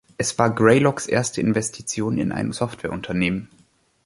Es war Greylocks erste Investition in ein Softwareunternehmen.